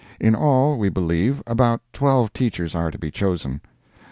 In all, we believe, about twelve teachers are to be chosen.